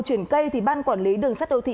chuyển cây thì ban quản lý đường sắt đô thị